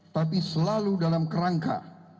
tapi selalu dalam kerangka